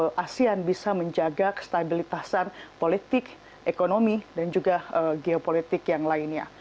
bahwa asean bisa menjaga kestabilitasan politik ekonomi dan juga geopolitik yang lainnya